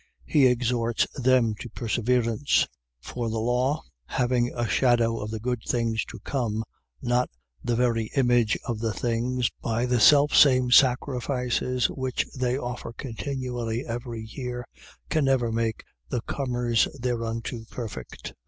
He exhorts them to perseverance. 10:1. For the law, having a shadow of the good things to come, not the very image of the things, by the selfsame sacrifices which they offer continually every year, can never make the comers thereunto perfect.